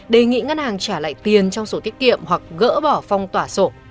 đề nghị ngân hàng trả lại tiền trong sổ tiết kiệm hoặc gỡ bỏ phong tỏa sổ